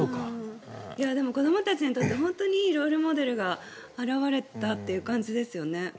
でも子どもたちにとって本当にいいロールモデルが現れたって感じですよね。